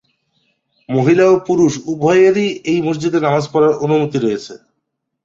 মহিলা ও পুরুষ উভয়েরই এই মসজিদে নামাজ পড়ার অনুমতি রয়েছে।